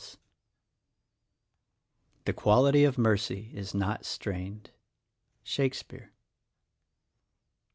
"The quality of mercy is not strained." — Shakespeare.